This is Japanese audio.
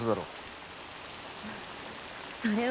それは。